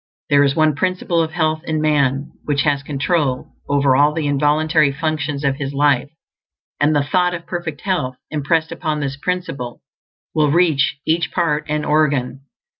There is one Principle of Health in man, which has control over all the involuntary functions of his life; and the thought of perfect health, impressed upon this Principle, will reach each part and organ.